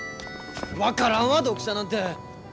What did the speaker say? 分からんわ読者なんて！